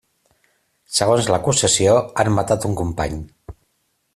Segons l'acusació han matat un company.